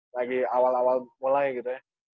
lagi awal awal mulai gitu ya